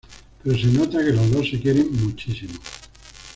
Pero se nota que los dos se quieren muchísimo.